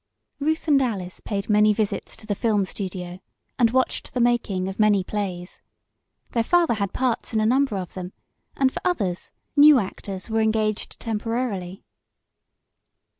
Ruth and Alice paid many visits to the film studio, and watched the making of many plays. Their father had parts in a number of them, and for others new actors were engaged temporarily.